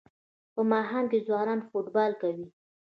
په ماښام کې ځوانان فوټبال کوي.